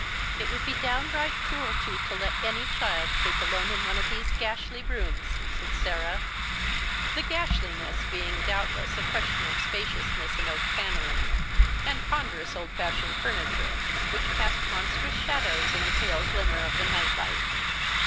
"' It would be downright cruelty to let any child sleep alone in one of these gashly rooms," said Sarah, the " gashliness " being doubtless a question of spaciousness and oak panelling, and ponderous old fashioned furniture which cast monstrous shadows in the pale glimmer of the night light.